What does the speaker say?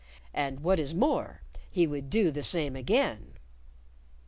And, what is more, he would do the same again!